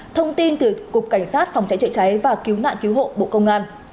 thông tin từ cục cảnh sát phòng cháy chữa cháy và cứu nạn cứu hộ bộ công an